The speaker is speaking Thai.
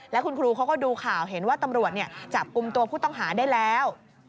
แล้วคุณครูเขาก็ดูข่าวเห็นว่าตำรวจจับกลุ่มตัวผู้ต้องหาได้แล้ว